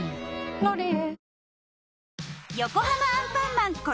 「ロリエ」